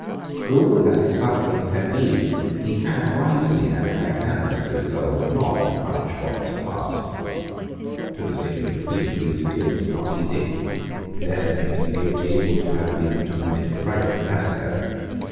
Cruel as his sufferings had been, he had wisely and magnanimously resolved not to punish what was past. To distinguish between degrees of guilt was not easy. To decimate the guilty would have been to commit a frightful massacre.